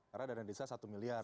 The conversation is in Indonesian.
karena dana desa satu miliar